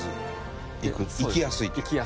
行きやすいはい。